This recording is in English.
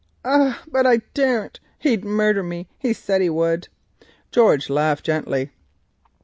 "Ay, but I daren't. He'd murder me. He said he would." George laughed gently.